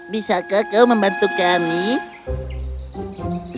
bisakah kau membantu kami